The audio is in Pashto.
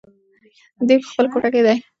دی په خپله کوټه کې دی.